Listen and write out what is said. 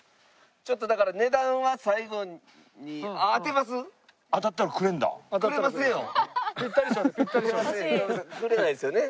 ちょっとだから井上さんくれないですよね？